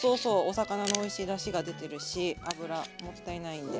お魚のおいしいだしが出てるし油もったいないんで。